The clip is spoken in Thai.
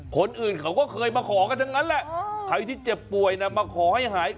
คนอื่นเขาก็เคยมาขอกันทั้งนั้นแหละใครที่เจ็บป่วยนะมาขอให้หาย